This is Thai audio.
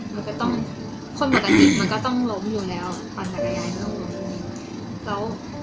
มันก็ต้องคนปกติมันก็ต้องล้มอยู่แล้วปั่นจักรยานก็ต้องล้มแล้ว